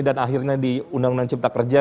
dan akhirnya di undang undang cipta kerja